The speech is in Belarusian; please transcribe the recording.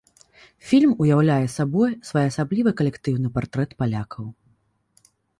Фільм уяўляе сабой своеасаблівы калектыўны партрэт палякаў.